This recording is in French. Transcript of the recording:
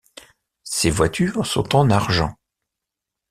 Ces voitures sont en argent.